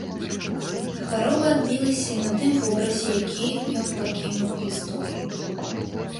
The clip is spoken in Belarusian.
Хвароба адбілася і на тым вобразе, які ён пакінуў у гісторыі.